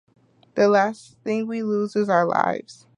The last thing we lose is our lives.